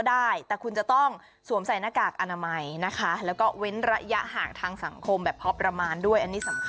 อันนี้สำคัญ